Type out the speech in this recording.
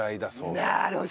なるほど。